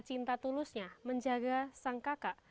cinta tulusnya menjaga sang kakak